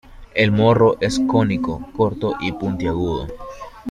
El morro es cónico, corto y puntiagudo.